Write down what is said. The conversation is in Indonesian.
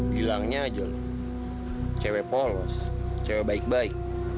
bilangnya aja loh cewek polos cewek baik baik